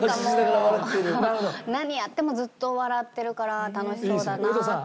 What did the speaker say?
何やってもずっと笑ってるから楽しそうだなと。